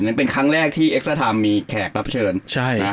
นั้นเป็นครั้งแรกที่มีแขกรับเชิญใช่น่ะ